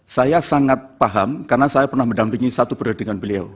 saya sangat paham karena saya pernah mendampingi satu periode dengan beliau